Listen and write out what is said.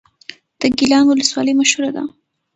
د ګیلان ولسوالۍ مشهوره ده